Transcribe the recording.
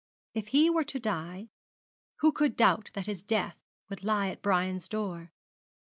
If he were to die, who could doubt that his death would lie at Brian's door?